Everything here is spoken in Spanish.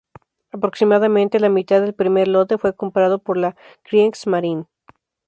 Aproximadamente la mitad del primer lote fue comprado por la Kriegsmarine.